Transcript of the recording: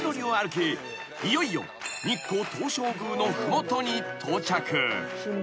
いよいよ日光東照宮の麓に到着］